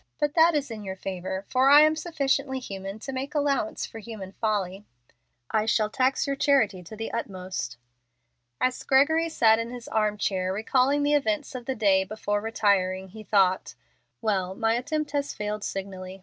But that is in your favor, for I am sufficiently human to make allowance for human folly." "I shall tax your charity to the utmost." As Gregory sat in his arm chair recalling the events of the day before retiring, he thought: "Well, my attempt has failed signally.